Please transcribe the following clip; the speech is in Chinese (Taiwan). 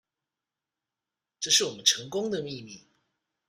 這是我們成功的秘密